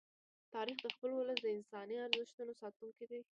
تاریخ د خپل ولس د انساني ارزښتونو ساتونکی دی.